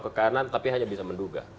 ke kanan tapi hanya bisa menduga